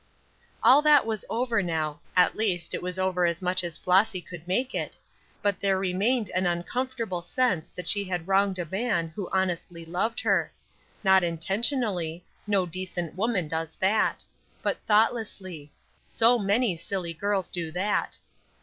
All that was over now, at least it was over as much as Flossy could make it; but there remained an uncomfortable sense that she had wronged a man who honestly loved her; not intentionally no decent woman does that but thoughtlessly; so many silly girls do that.